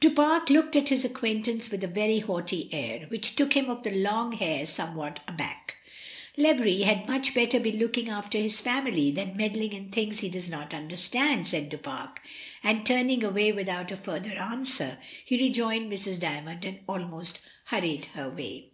Du Pare looked at his acquaintance with a very haughty air, which took him of the long hair some what aback. "Lebris had much better be looking after his family than meddling in things he does not under stand," said Du Pare, and turning away without a further answer he rejoined Mrs. Dymond and almost hurried her away.